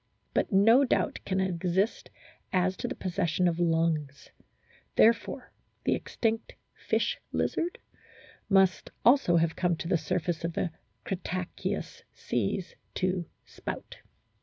But no doubt can exist as to the possession of lungs. Therefore the extinct "fish lizard" also must have come to the surface of the Cretaceous seas to "spout."